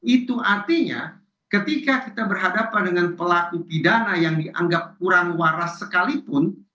itu artinya ketika kita berhadapan dengan pelaku pidana yang dianggap kurang waras sekalipun